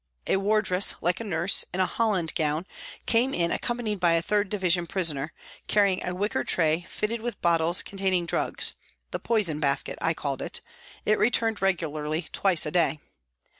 A wardress, like a nurse, in a holland gown, came in accompanied by a 3rd Division prisoner carrying a wicker tray fitted with bottles con taining drugs the " poison basket " I called it ; it returned regularly twice a day.